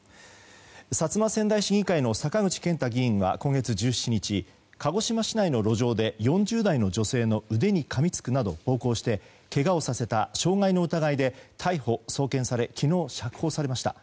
薩摩川内市議会の坂口健太議員は今月１７日、鹿児島市内の路上で４０代の女性の腕にかみつくなど暴行してけがをさせた傷害の疑いで逮捕・送検され昨日、釈放されました。